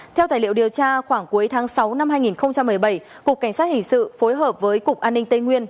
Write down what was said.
theo tài liệu điều tra khoảng cuối tháng sáu năm hai nghìn một mươi bảy cục cảnh sát hình sự phối hợp với cục an ninh tây nguyên